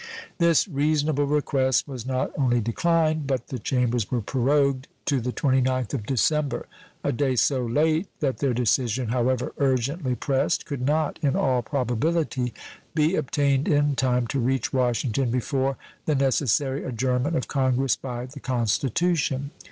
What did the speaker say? This reasonable request was not only declined, but the Chambers were prorogued to the 29th of December, a day so late that their decision, however urgently pressed, could not in all probability be obtained in time to reach Washington before the necessary adjournment of Congress by the Constitution.